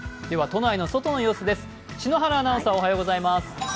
都内の外の様子です。